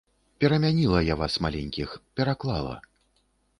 Перамяніла я вас маленькіх, пераклала.